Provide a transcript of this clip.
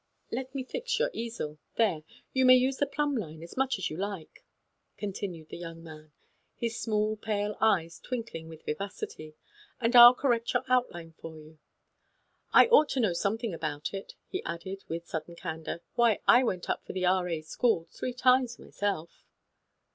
" Let me fix your easel. There. You may use the plumb line as much as you like," continued the young man, his small, pale eyes twinkling with vivacity ;" and old Sanderson, he'll correct your outline for you. I ought to know something about it," he added with sudden candour. " Why, I went up for the R A. three times myself."